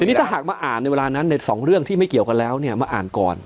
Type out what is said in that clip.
ทีนี้ถ้าหากมาอ่านในเวลานั้นในสองเรื่องที่ไม่เกี่ยวกันแล้วเนี่ยมาอ่านก่อน